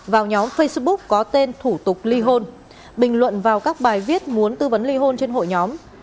vào nhóm facebook có tên thủ tục ly hôn bình luận vào các bài viết muốn tư vấn ly hôn trên hội nhóm